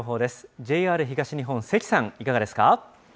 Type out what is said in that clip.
ＪＲ東日本、関さん、いかがですか。